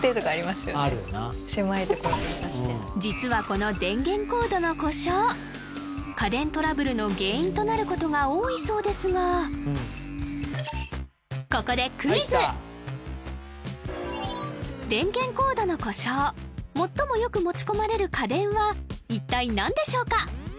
実はこの電源コードの故障家電トラブルの原因となることが多いそうですがここでクイズ電源コードの故障最もよく持ち込まれる家電は一体何でしょうか？